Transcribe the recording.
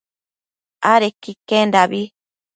adequi iquendabi